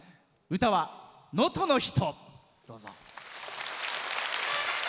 歌は「能登の女」。